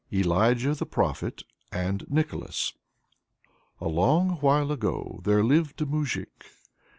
ELIJAH THE PROPHET AND NICHOLAS. A long while ago there lived a Moujik.